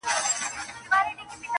چي له مځکي تر اسمانه پاچاهان یو-